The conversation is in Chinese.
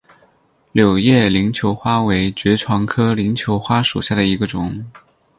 柳叶鳞球花为爵床科鳞球花属下的一个种。